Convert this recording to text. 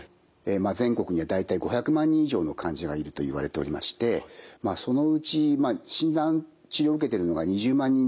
全国には大体５００万人以上の患者がいるといわれておりましてまあそのうち診断治療を受けてるのが２０万人程度というふうにいわれています。